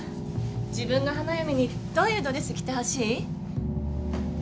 自分の花嫁にどういうドレス着てほしい？